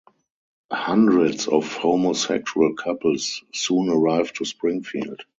Hundreds of homosexual couples soon arrive to Springfield.